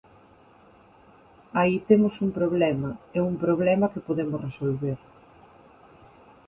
Aí temos un problema, e un problema que podemos resolver.